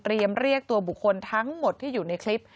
เรียกตัวบุคคลทั้งหมดที่อยู่ในคลิป